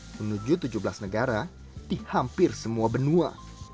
menuju tujuh belas negara di hampir semua benua